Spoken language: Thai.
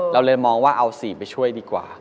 เราเลยมองว่าเอา๔ไปช่วยดีกว่า